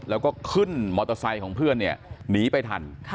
แล้วก็ขึ้นมอเตอร์ไซค์ของเพื่อนเนี่ยหนีไปทัน